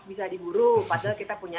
bisa diburu padahal kita punya